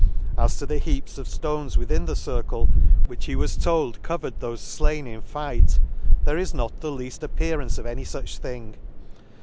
— As to the heaps of flones within the circle, which he was told covered thofe flain in fight, there is not the leafl appearance of any fuch thing.